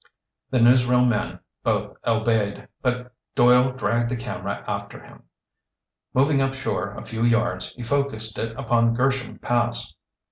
The newsreel men both obeyed, but Doyle dragged the camera after him. Moving up shore a few yards he focused it upon Gersham Pass.